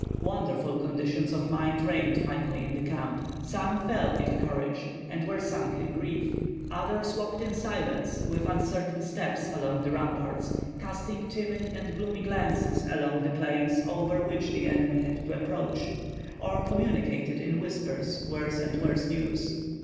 Wonderful conditions of mind reigned finally in the camp. Some fell in courage and were sunk in grief; others walked in silence, with uncertain steps, along the ramparts, casting timid and gloomy glances along the plains over which the enemy had to approach, or communicated in whispers worse and worse news.